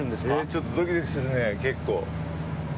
ちょっとドキドキするねぇ結構。